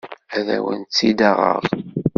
Ad awent-tt-id-aɣeɣ.